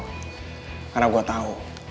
karena gue tau